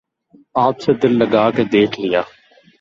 آپ سے دل لگا کے دیکھ لیا